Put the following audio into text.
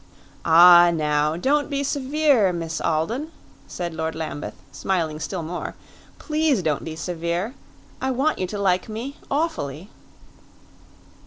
"Ah, now, don't be severe, Miss Alden," said Lord Lambeth, smiling still more. "Please don't be severe. I want you to like me awfully."